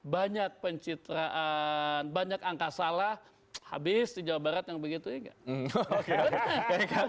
banyak pencitraan banyak angka salah habis di jawa barat yang begitu enggak